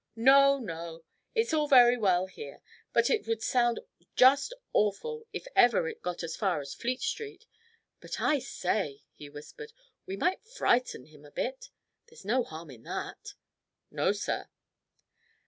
"No, no. It's all very well here, but it would sound just awful if ever it got as far as Fleet Street. But, I say," he whispered, "we might frighten him a bit. There's no harm in that." "No, sir."